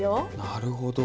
なるほど。